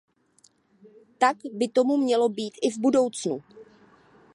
Tak by tomu mělo být i v budoucnu.